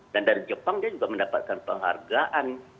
dan dari jepang dia juga mendapatkan penghargaan